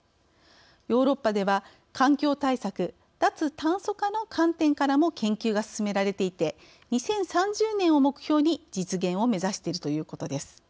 ヨーロッパでは環境対策、脱炭素化の観点からも研究が進められていて２０３０年を目標に実現を目指しているということです。